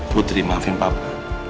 putri maafkan papa